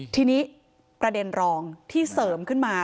ทีนี้ประเด็นรองที่เสริมขึ้นมา